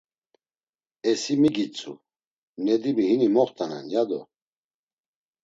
E si mi gitzu, Nedimi hini moxt̆anen, ya do?